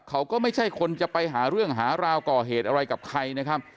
เขาก็ไม่ใช่คนจะไปหาเรื่องหาราวก่อเหตุอะไรกับใครนะครับ